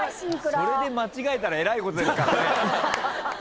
それで間違えたらえらいことですからね。